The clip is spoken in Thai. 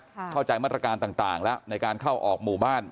เข้าใจมาตรการต่างแล้วในการเข้าออกหมู่บ้าน